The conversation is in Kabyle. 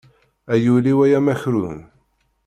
Ay ul-iw ay amakrun.